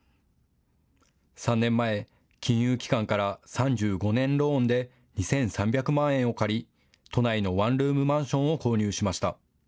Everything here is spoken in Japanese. ３年前、金融機関から３５年ローンで２３００万円を借り都内のワンルームマンションを購入しました。